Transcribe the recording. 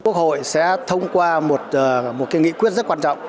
quốc hội sẽ thông qua một nghị quyết rất quan trọng